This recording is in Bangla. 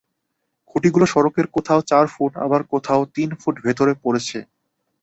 খুঁটিগুলো সড়কের কোথাও চার ফুট আবার কোথাও তিন ফুট ভেতরে পড়েছে।